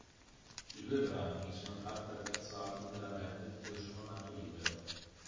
I due brani sono tratti dal terzo album della band "Io sono nato libero".